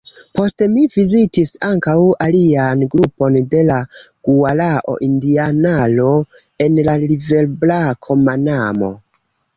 Poste mi vizitis ankaŭ alian grupon de la guarao-indianaro en la riverbrako Manamo.